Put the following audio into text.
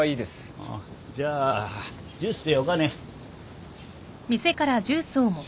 じゃあジュースでよかね。